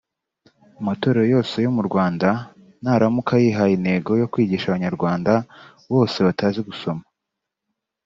Amatorero yose yo mu Rwanda naramuka yihaye intego yo kwigisha Abanyarwanda bose batazi gusoma